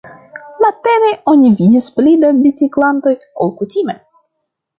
Matene oni vidis pli da biciklantoj ol kutime.